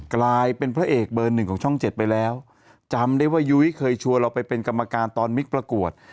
กลายเป็นพระเอกเบอร์หนึ่งของช่องเจ็ดไปแล้วจำได้ว่ายุ้ยเคยชวนเราไปเป็นกรรมการตอนมิกประกวด